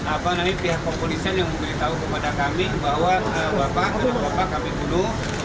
apa nanti pihak kompolisian yang memberitahu kepada kami bahwa bapak bapak kami bunuh